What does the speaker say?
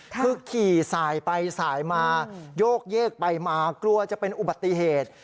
คือขี่สายไปสายมาโยกเยกไปมากลัวจะเป็นอุบัติเหตุ